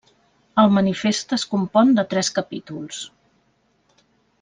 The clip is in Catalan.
El manifest es compon de tres capítols.